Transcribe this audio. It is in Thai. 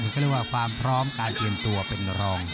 เขาเรียกว่าความพร้อมการเตรียมตัวเป็นรอง